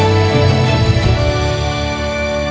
จริงมนุษย์แท้